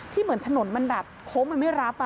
เหมือนถนนมันแบบโค้งมันไม่รับ